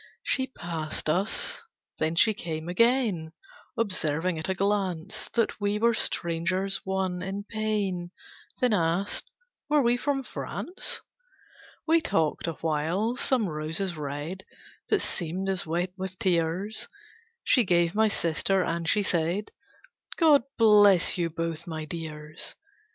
She past us, then she came again, Observing at a glance That we were strangers; one, in pain, Then asked, Were we from France? We talked awhile, some roses red That seemed as wet with tears, She gave my sister, and she said, "God bless you both, my dears!"